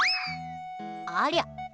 ありゃ。